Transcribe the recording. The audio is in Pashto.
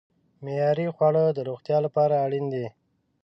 معیاري خواړه د روغتیا لپاره اړین دي.